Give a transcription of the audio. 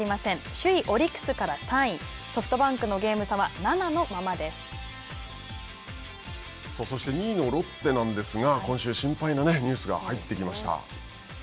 首位オリックスから３位ソフトバンクまでのゲーム差はそして２位のロッテなんですが、今週心配なニュースが入ってきました。